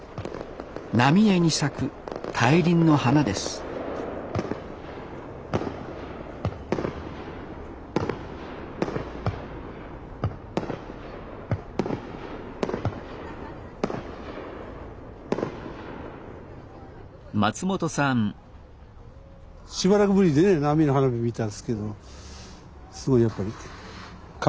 浪江に咲く大輪の花ですしばらくぶりでね浪江の花火見たんですけどすごいやっぱり感無量ですね。